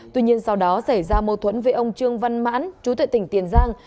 tuy nhiên sau đó xảy ra mâu thuẫn về ông trương văn mãn chú tại tỉnh tiền giang